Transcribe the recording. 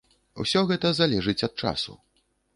Усё гэта залежыць ад часу.